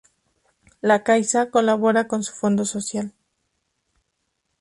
La Caixa colabora con su fondo social.